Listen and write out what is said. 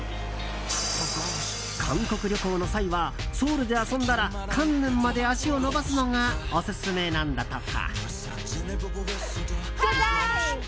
韓国旅行の際はソウルで遊んだらカンヌンまで足を伸ばすのがオススメなんだとか。